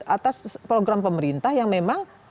atas program pemerintah yang memang